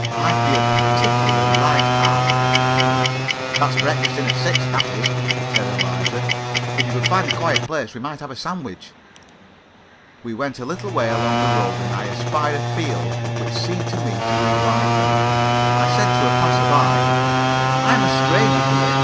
I feel particularly light hearted." "That's breakfasting at six, that is," said Eliza. "If you could find a quiet place, we might have a sandwich." We went a little way along the road, and I espied a field which seemed to me to look likely. I said to a passer by: "I am a stranger here.